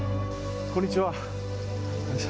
こんにちは。